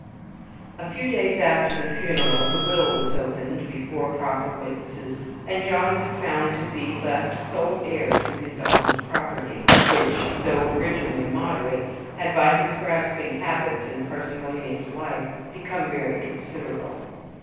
..... A few days after the funeral, the will was opened before proper witnesses, and John was found to be left sole heir to his uncle's property, which, though originally moderate, had, by his grasping habits, and parsimonious life, become very considerable.